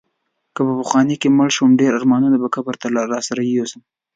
که په ځوانۍ کې مړ شوم ډېر ارمانونه به قبر ته راسره یوسم.